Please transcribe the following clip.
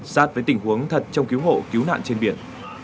sát với tình huống thật trong cứu hộ cứu nạn trên biển